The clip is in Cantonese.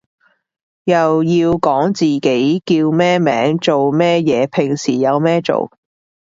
又要講自己叫咩名做咩嘢平時有咩做